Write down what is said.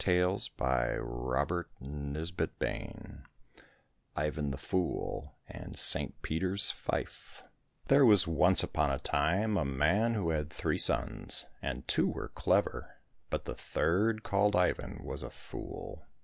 225 IVAN THE FOOL AND ST PETER'S FIFE IVAN THE FOOL AND ST PETER'S FIFE THERE was once upon a time a man who had three sons, and two were clever, but the third, called Ivan, was a fool.